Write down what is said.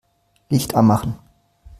Licht anmachen.